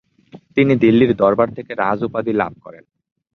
তিনি দিল্লীর দরবার থেকে রাজ উপাধি লাভ করেন।